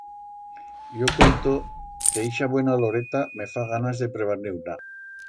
Yo cuento que ixa buena uloreta me fa ganas de prebar-ne una.